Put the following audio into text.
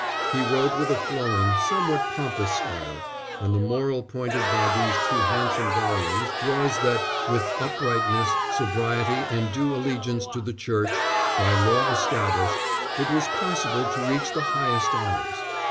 He wrote with a flowing, somewhat pompous style; and the moral pointed by these two handsome volumes was that with uprightness, sobriety, and due allegiance to the Church by law established, it was possible to reach the highest honours.